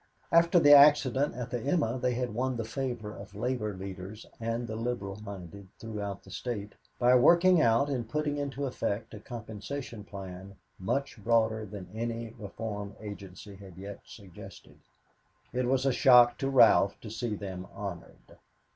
After the accident at the "Emma" they had won the favor of labor leaders and the liberal minded throughout the State by working out and putting into effect a compensation plan much broader than any reform agency had yet suggested. It was a shock to Ralph to see them honored.